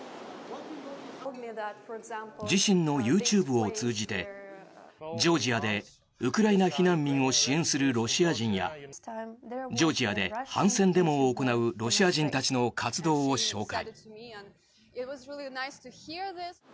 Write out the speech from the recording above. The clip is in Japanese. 自身のＹｏｕＴｕｂｅを通じてジョージアでウクライナ避難民を支援するロシア人やジョージアで反戦デモを行うロシア人たちの活動を紹介。